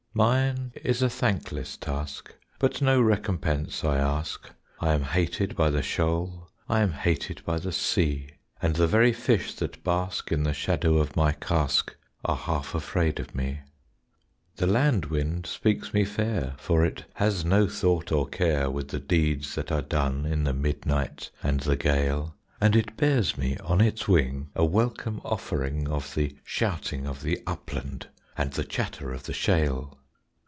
Mine is a thankless task; But no recompense I ask. I am hated by the shoal; I am hated by the sea; And the very fish that bask In the shadow of my cask Are half afraid of me. The land wind speaks me fair, For it has no thought or care With the deeds that are done In the midnight and the gale; And it bears me on its wing A welcome offering Of the shouting of the upland And the chatter of the shale.